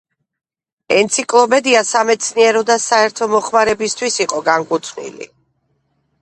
ენციკლოპედია სამეცნიერო და საერთო მოხმარებისთვის იყო განკუთვნილი.